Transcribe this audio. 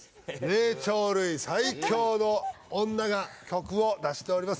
霊長類最強の女が曲を出しております